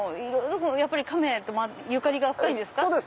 やっぱり亀とゆかりが深いんですか？